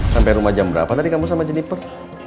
sampai rumah jam berapa tadi kamu sama jenniper